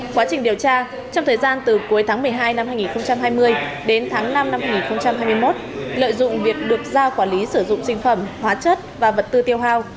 quá trình điều tra trong thời gian từ cuối tháng một mươi hai năm hai nghìn hai mươi đến tháng năm năm hai nghìn hai mươi một lợi dụng việc được giao quản lý sử dụng sinh phẩm hóa chất và vật tư tiêu hào